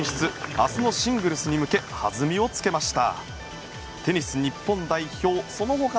明日のシングルスに向けはずみをつけました。